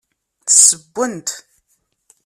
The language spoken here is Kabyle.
Ssewwen-t.